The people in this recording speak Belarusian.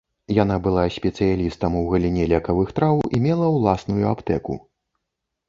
Яна была спецыялістам у галіне лекавых траў і мела ўласную аптэку.